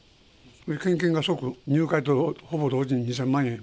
献金が即、入会とほぼ同時に２０００万円。